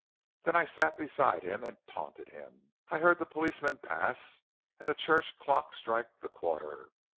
Then I sat beside him and taunted him. I heard the policeman pass, and the church clock strike the quarter.